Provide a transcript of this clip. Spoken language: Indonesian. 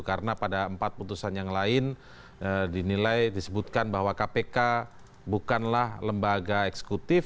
karena pada empat putusan yang lain dinilai disebutkan bahwa kpk bukanlah lembaga eksekutif